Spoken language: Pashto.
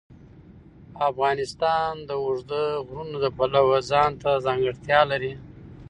افغانستان د اوږده غرونه د پلوه ځانته ځانګړتیا لري.